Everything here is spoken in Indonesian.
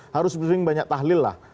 harus puting banyak tahlil lah